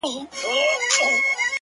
د زلفو بڼ كي د دنيا خاوند دی؛